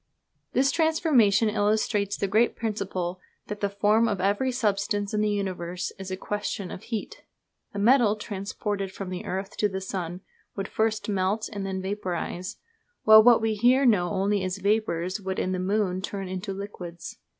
This transformation illustrates the great principle that the form of every substance in the universe is a question of heat. A metal transported from the earth to the sun would first melt and then vaporise; while what we here know only as vapours would in the moon turn into liquids.